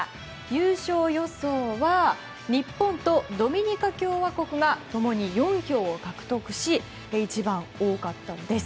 優勝予想は日本とドミニカ共和国が共に４票を獲得し一番多かったんです。